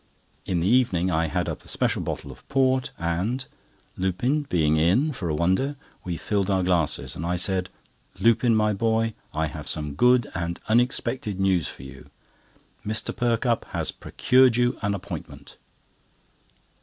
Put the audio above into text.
In the evening I had up a special bottle of port, and, Lupin being in for a wonder, we filled our glasses, and I said: "Lupin my boy, I have some good and unexpected news for you. Mr. Perkupp has procured you an appointment!"